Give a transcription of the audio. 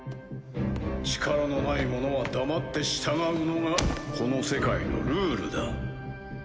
力のない者は黙って従うのがこの世界のルールだ。